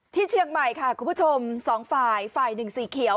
เชียงใหม่ค่ะคุณผู้ชมสองฝ่ายฝ่ายหนึ่งสีเขียว